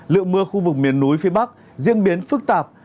lượng mưa khu vực miền núi phía bắc diễn biến phức tạp